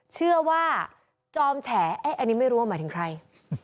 เชื่อว่าจอมแฉอันนี้ไม่รู้ว่าหมายถึงใคร